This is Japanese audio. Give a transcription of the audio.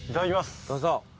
どうぞ。